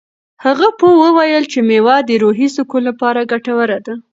هغه پوه وویل چې مېوه د روحي سکون لپاره ګټوره ده.